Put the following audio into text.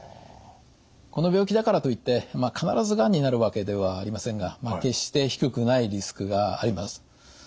この病気だからといって必ずがんになるわけではありませんが決して低くないリスクがあります。